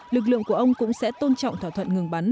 lực lượng của ông cũng sẽ tôn trọng thỏa thuận ngừng bắn